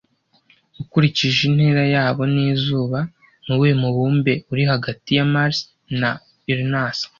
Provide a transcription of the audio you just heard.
Ukurikije intera yabo n'izuba, ni uwuhe mubumbe uri hagati ya Mars na Uranus